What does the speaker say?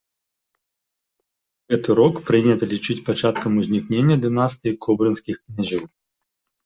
Гэты рок прынята лічыць пачаткам узнікнення дынастыі кобрынскіх князёў.